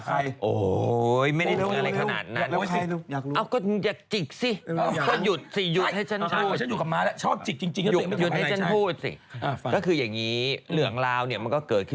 ก็นี่ไงก็แบ่งก็แข็งภูมิสิ